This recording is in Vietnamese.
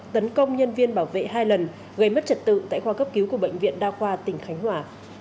tấn công nhân viên bảo vệ hai lần gây mất trật tự tại khoa cấp cứu của bệnh viện đa khoa tỉnh khánh hòa